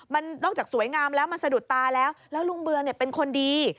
มันนอกจากสวยงามแล้วมันสะดุดตาแล้วแล้วลุงเบือเป็นคนดี